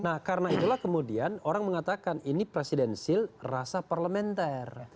nah karena itulah kemudian orang mengatakan ini presidensil rasa parlementer